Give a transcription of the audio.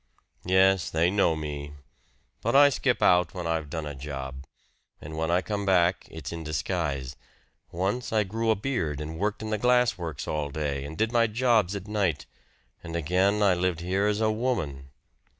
"Yes they know me. But I skip out when I've done a job. And when I come back it's in disguise. Once I grew a beard and worked in the glass works all day and did my jobs at night; and again I lived here as a woman."